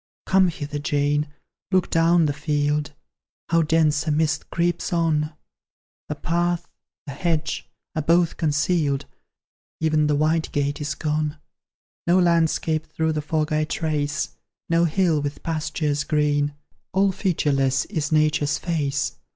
"Come hither, Jane, look down the field; How dense a mist creeps on! The path, the hedge, are both concealed, Ev'n the white gate is gone No landscape through the fog I trace, No hill with pastures green; All featureless is Nature's face.